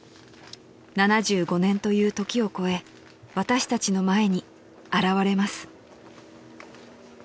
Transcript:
［７５年という時を超え私たちの前に現れます］